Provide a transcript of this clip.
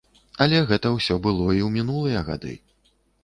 Але гэта ўсё было і ў мінулыя гады.